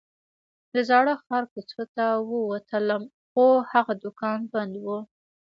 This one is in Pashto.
د زاړه ښار کوڅو ته ووتلم خو هغه دوکان بند و.